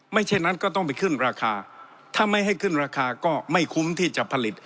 เช่นนั้นก็ต้องไปขึ้นราคาถ้าไม่ให้ขึ้นราคาก็ไม่คุ้มที่จะผลิต